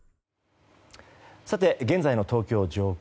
現在の東京上空